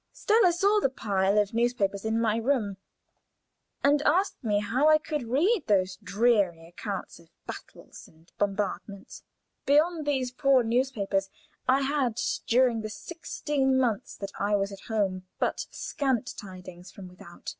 Stella saw the pile of newspapers in my room, and asked me how I could read those dreary accounts of battles and bombardments. Beyond these poor newspapers I had, during the sixteen months that I was at home, but scant tidings from without.